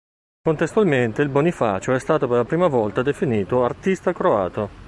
Contestualmente, il Bonifacio è stato per la prima volta definito "artista croato".